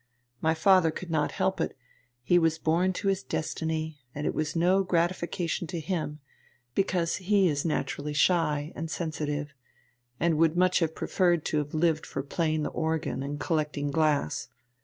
My father could not help it, he was born to his destiny, and it was no gratification to him, because he is naturally shy and sensitive, and would much have preferred to have lived for playing the organ and collecting glass.